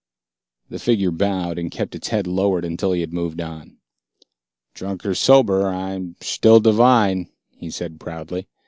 The figure bowed, and kept its head lowered until he had moved on. "Drunk or sober, I'm shtill divine," he said proudly.